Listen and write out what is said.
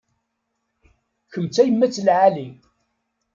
Kemm d tayemmat n lεali.